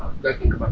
agak nih kebabnya